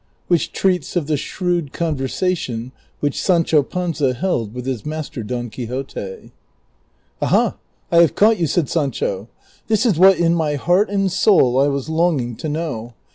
WHICH TREATS OF THE SHREWD CONVERSATION WHICH SANCHO PANZO HELD WITH HIS MASTER DON QUIXOTE. " Aha, I have caught you," said Sancho ;" this is what in my heart and soul I was longing to know.